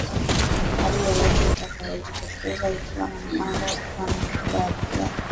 hali yoyote itakayojitokeza ikiwa na mpango wa kuwa na akiba ya bidhaa